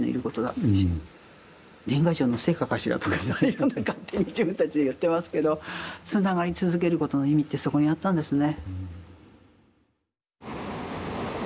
年賀状の成果かしらとかさいろんな勝手に自分たちで言ってますけどつながり続けることの意味ってそこにあったんですね。